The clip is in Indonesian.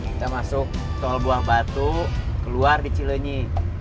kita masuk tol buah batu keluar di cileni